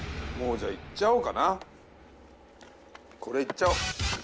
これいっちゃおう。